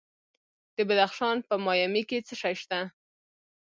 د بدخشان په مایمي کې څه شی شته؟